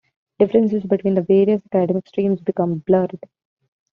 Differences between the various academic streams became blurred.